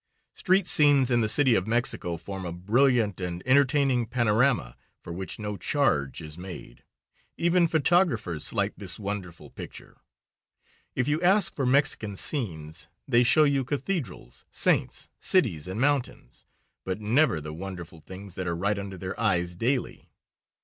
Street scenes in the City of Mexico form a brilliant and entertaining panorama, for which no charge is made. Even photographers slight this wonderful picture. If you ask for Mexican scenes they show you cathedrals, saints, cities and mountains, but never the wonderful things that are right under their eyes daily.